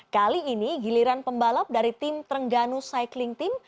kali ini giliran pembalap dari tim trengganu cycling team